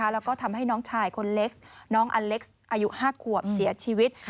แล้วก็ทำให้น้องชายคนเล็กน้องอเล็กซ์อายุ๕ขวบเสียชีวิต